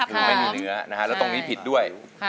ถึงไม่มีเนื้อแล้วตรงนี้ผิดด้วย